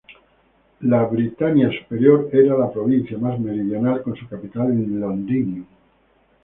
La Britania Superior era la provincia más meridional, con su capital en Londinium.